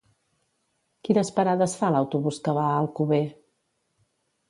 Quines parades fa l'autobús que va a Alcover?